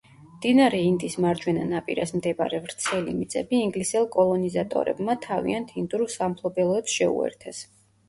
მდინარე ინდის მარჯვენა ნაპირას მდებარე ვრცელი მიწები ინგლისელ კოლონიზატორებმა თავიანთ ინდურ სამფლობელოებს შეუერთეს.